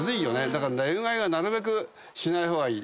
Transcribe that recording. だから恋愛はなるべくしない方がいい。